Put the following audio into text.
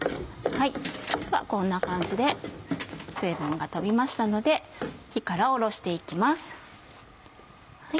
ではこんな感じで水分が飛びましたので火から下ろして行きます。